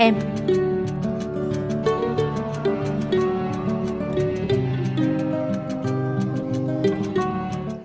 hãy đăng ký kênh để ủng hộ kênh của mình nhé